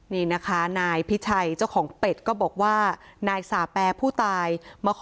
นี่นะคะนายพิชัยเจ้าของเป็ดก็บอกว่านายสาแปรผู้ตายมาขอ